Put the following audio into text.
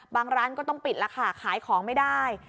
ร้านก็ต้องปิดแล้วค่ะขายของไม่ได้